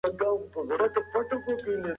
باید د خلګو ترمنځ د یووالي روحیه پیاوړې سي.